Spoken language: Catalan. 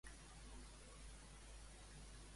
Els personatges Emmeline i Richard tenen descendència?